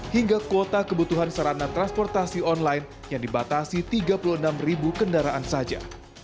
hingga kuota kebutuhan sarana transportasi online yang dibatasi tiga puluh enam ribu kendaraan saja